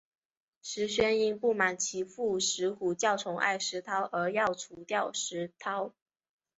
石宣因不满其父石虎较宠爱石韬而要除掉石韬。